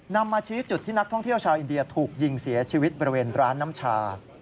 มาชี้จุดที่นักท่องเที่ยวชาวอินเดียถูกยิงเสียชีวิตบริเวณร้านน้ำชา